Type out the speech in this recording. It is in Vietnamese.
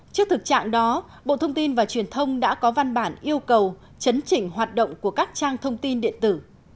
trước thực trạng đó bộ thông tin và truyền thông đã có văn bản yêu cầu chấn chỉnh hoạt động của các trang thông tin điện tử